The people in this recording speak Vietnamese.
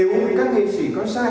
nếu như các nghệ sĩ có sai